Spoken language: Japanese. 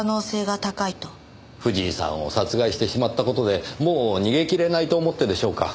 藤井さんを殺害してしまった事でもう逃げ切れないと思ってでしょうか？